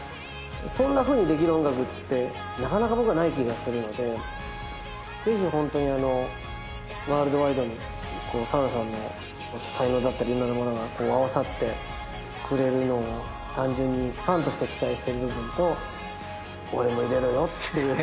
そんなふうにできる音楽ってなかなか僕はない気がするのでぜひホントにワールドワイドに澤野さんの才能だったりいろんなものが合わさってくれるのを単純にファンとして期待してる部分と俺も入れろよっていう。